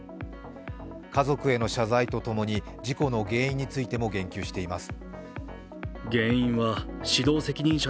家族への謝罪とともに、事故の原因についても言及しています。